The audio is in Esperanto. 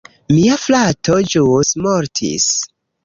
Mia frato ĵus mortis